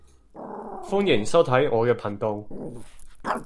歡迎收睇我嘅頻道